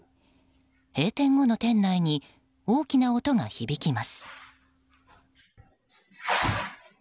閉店後の店内に大きな音が響きます。